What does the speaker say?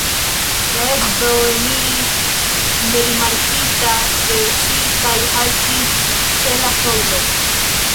La edzo eniris nerimarkita de ŝi kaj haltis ĉe la sojlo.